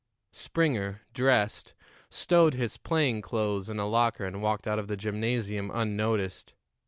Springer, dressed, stowed his playing clothes in a locker and walked out of the gymnasium unnoticed.